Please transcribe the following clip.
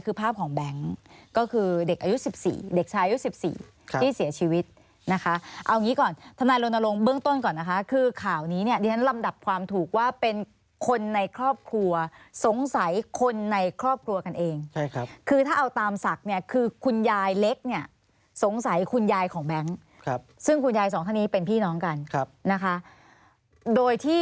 คือภาพของแบงค์ก็คือเด็กอายุ๑๔เด็กชายอายุ๑๔ที่เสียชีวิตนะคะเอางี้ก่อนทนายรณรงค์เบื้องต้นก่อนนะคะคือข่าวนี้เนี่ยดิฉันลำดับความถูกว่าเป็นคนในครอบครัวสงสัยคนในครอบครัวกันเองใช่ครับคือถ้าเอาตามศักดิ์เนี่ยคือคุณยายเล็กเนี่ยสงสัยคุณยายของแบงค์ซึ่งคุณยายสองท่านนี้เป็นพี่น้องกันนะคะโดยที่